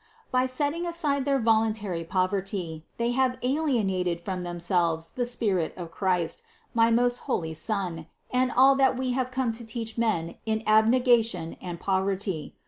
By setting aside their voluntary poverty, they have alien ated from themselves the spirit of Christ, my most holy Son, and all that We have come to teach men in abnega tion and poverty.